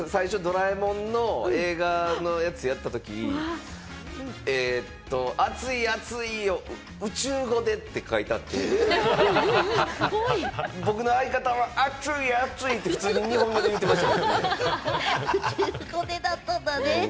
最初『ドラえもん』の映画のやつをやったとき、「あつい！あつい！」を「宇宙語で」って書いてあって、僕の相方は「あとぅい、あとぅい」って普通に日本語で言ってました。